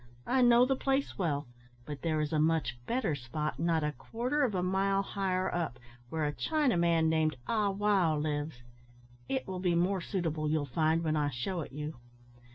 "I know the place well, but there is a much better spot not a quarter of a mile higher up, where a Chinaman, named Ah wow, lives; it will be more suitable, you'll find, when I shew it you."